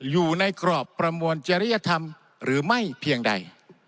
อยู่ในกรอบประมวลจริยธรรมหรือไม่เพียงใด